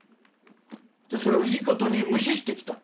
それをいいことに無視してきた。